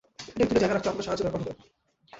এটাকে তুলে জায়গায় রাখতে আপনার সাহায্যের দরকার হবে।